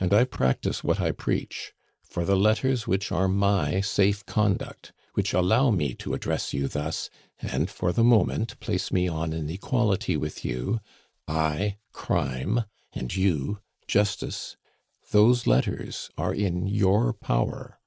And I practise what I preach; for the letters which are my safe conduct, which allow me to address you thus, and for the moment place me on an equality with you I, Crime, and you, Justice those letters are in your power.